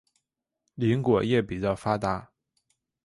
林果业比较发达。